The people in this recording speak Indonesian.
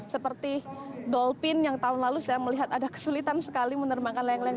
seperti dolpin yang tahun lalu saya melihat ada kesulitan sekali menerbangkan layang layang